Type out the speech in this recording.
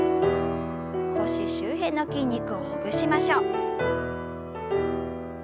腰周辺の筋肉をほぐしましょう。